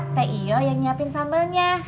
t i o yang nyiapin sambelnya